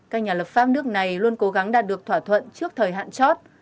các nhà lập pháp nước này luôn cố gắng đạt được thỏa thuận trước thời hạn chót